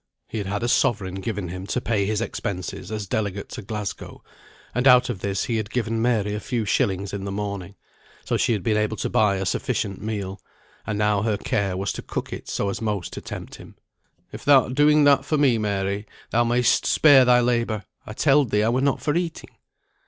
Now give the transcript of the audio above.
He had had a sovereign given him to pay his expenses as delegate to Glasgow, and out of this he had given Mary a few shillings in the morning; so she had been able to buy a sufficient meal, and now her care was to cook it so as most to tempt him. "If thou'rt doing that for me, Mary, thou may'st spare thy labour. I telled thee I were not for eating."